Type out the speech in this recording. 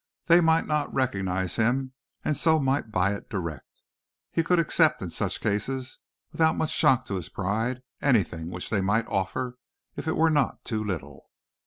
They might not recognize him and so might buy it direct. He could accept, in such cases, without much shock to his pride, anything which they might offer, if it were not too little.